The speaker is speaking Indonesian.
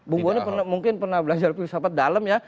bung boni mungkin pernah belajar filsafat dalam ya